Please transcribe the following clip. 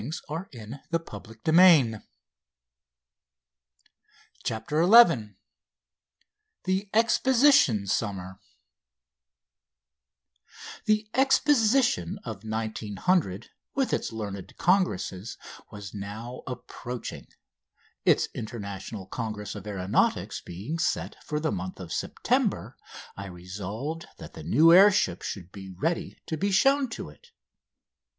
[Illustration: START OF "No. 3," NOVEMBER 13, 1899] CHAPTER XI THE EXPOSITION SUMMER The Exposition of 1900, with its learned congresses, was now approaching. Its International Congress of Aeronautics being set for the month of September I resolved that the new air ship should be ready to be shown to it.